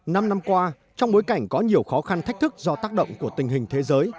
năm năm qua trong bối cảnh có nhiều khó khăn thách thức do tác động của tình hình thế giới